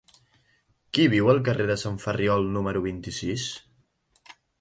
Qui viu al carrer de Sant Ferriol número vint-i-sis?